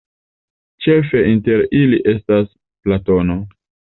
Ĉefe inter ili estas Platono.